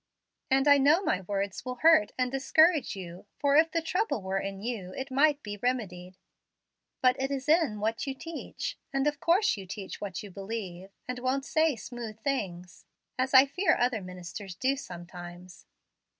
And I know my words will hurt and discourage you; for if the trouble were in you it might be remedied, but it is in what you teach, and of course you teach what you believe, and won't say smooth things, as I fear other ministers do sometimes.